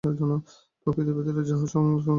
প্রকৃতির ভিতর যাহা সৎবস্তু, তাহাই ব্রহ্ম।